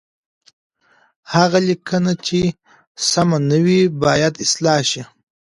هغه لیکنه چې سم نه وي، باید اصلاح شي.